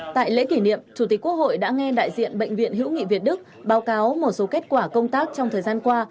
tại lễ kỷ niệm chủ tịch quốc hội đã nghe đại diện bệnh viện hữu nghị việt đức báo cáo một số kết quả công tác trong thời gian qua